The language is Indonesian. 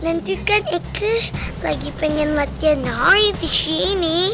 nanti kan aku lagi pengen latihan nari disini